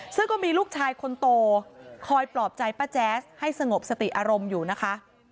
ซึ่งก็มีลูกชายคนโตคอยปลอบใจป้าแจ๊สให้สงบสติอารมณ์อยู่นะคะ